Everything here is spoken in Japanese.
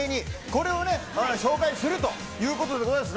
これを紹介するということです。